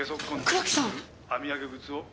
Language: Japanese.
黒木さん！？